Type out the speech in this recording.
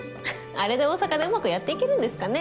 あれで大阪でうまくやっていけるんですかね。